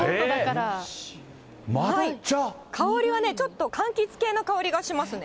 香りはね、ちょっとかんきつ系の香りがしますね。